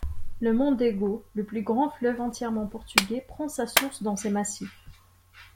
Le Mondego, le plus grand fleuve entièrement portugais, prend sa source dans ces massifs.